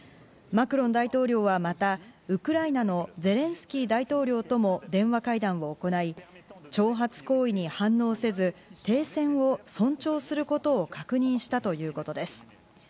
マクロン大統領はまたウクライナのゼレンスキー大統領とも電話会談を行い挑発行為に反応せず停戦を尊重することを確認したということです。